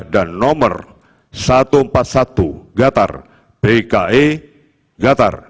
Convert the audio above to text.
dan nomor satu ratus empat puluh satu gatar pke gatar dkpp garis datar